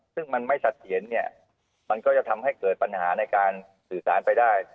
ซึ่งมันไม่สัดเถียรเนี่ยมันก็จะทำให้เกิดปัญหาในการสื่อสารไปได้